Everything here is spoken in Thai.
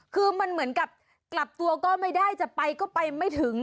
คือมันเหมือนกับกลับตัวก็ไม่ได้จะไปก็ไปไม่ถึง